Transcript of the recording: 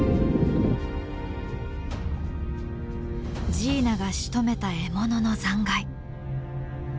ジーナがしとめた獲物の残骸。